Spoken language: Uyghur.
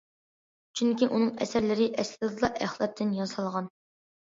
چۈنكى ئۇنىڭ ئەسەرلىرى ئەسلىدىلا ئەخلەتتىن ياسالغان.